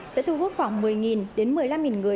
sẽ thu hút khoảng một mươi đến một mươi năm người